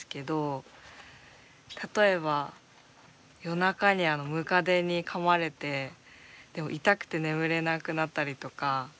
例えば夜中にムカデにかまれて痛くて眠れなくなったりとか。